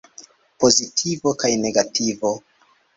Pozitivo kaj negativo.